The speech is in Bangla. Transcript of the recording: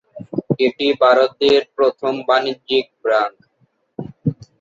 এটি ভারতের প্রথম বাণিজ্যিক ব্যাঙ্ক।